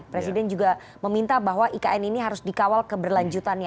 presiden juga meminta bahwa ikn ini harus dikawal keberlanjutannya